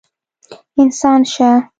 انسان شه!